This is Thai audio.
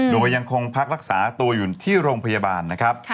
โดยยังคงพักรักษาตัวอยู่ที่โรงพยาบาลนะครับ